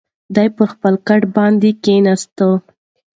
دی پر خپل کټ باندې کښېناست.